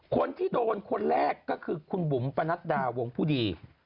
คนที่โดนคนแรกก็คือคุณบุ๋มปะนัดดาวงผู้ดี